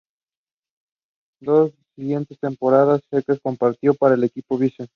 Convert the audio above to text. Las dos siguientes temporadas, Scheckter compitió para el equipo Vision.